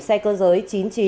xe cơ giới